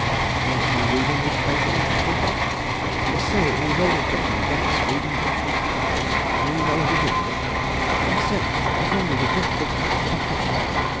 "Was he reading this paper that you speak of?" "Yes, sir he was holding it up to the gas, reading it." "Do you know what he did with it?" "Yes, sir he folded it up and put it in his pocket."